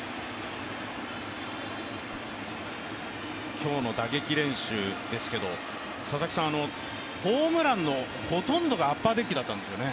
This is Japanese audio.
今日の打撃練習ですけどホームランのほとんどがアッパーデッキだったんですね。